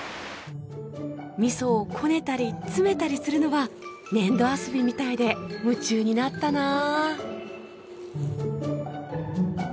味噌をこねたり詰めたりするのは粘土遊びみたいで夢中になったなあ。